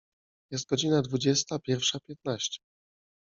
Jest godzina dwudziesta pierwsza piętnaście.